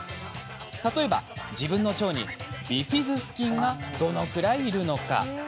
例えば自分の腸にビフィズス菌がどのくらいいるのか。